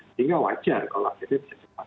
sehingga wajar kalau akhirnya bisa cepat